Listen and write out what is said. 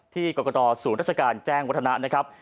กรกตศูนย์ราชการแจ้งวัฒนะนะครับ